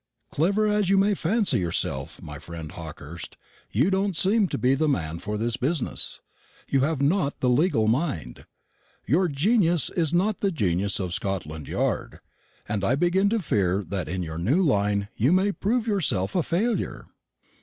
Clever as you may fancy yourself, my friend Hawkehurst, you don't seem to be the man for this business. You have not the legal mind. Your genius is not the genius of Scotland yard, and I begin to fear that in your new line you may prove yourself a failure.